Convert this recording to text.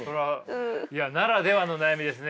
いやならではの悩みですね。